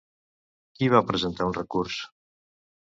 Qui va presentar un recurs?